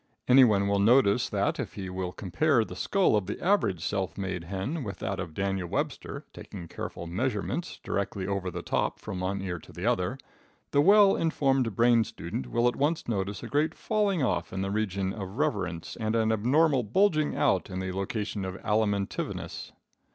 Any one will notice that if he will compare the skull of the average self made hen with that of Daniel Webster, taking careful measurements directly over the top from one ear to the other, the well informed brain student will at once notice a great falling off in the region of reverence and an abnormal bulging out in the location of alimentiveness.